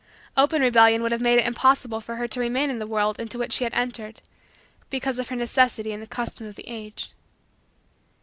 Open rebellion would have made it impossible for her to remain in the world into which she entered because of her necessity and the custom of the age.